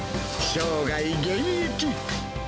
生涯現役。